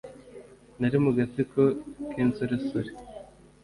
Nari mu gatsiko k insoresore